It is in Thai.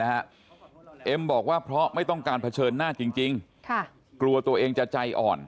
เหตุการณ์ที่ออกลาการพร้อมกับพี่มม้าเนี่ยนะฮะ